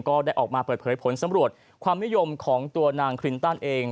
ก็ได้ออกมาเปิดเผยผลสำรวจความนิยมของตัวนางคลินตันเอง